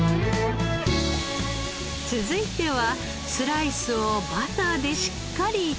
続いてはスライスをバターでしっかり炒め。